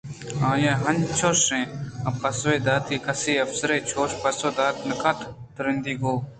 آئی ءَانچوش آ پسو دات کہ کسے افسرے ءَ چوش پسو دات نہ کنت ترٛندی ءَ گوں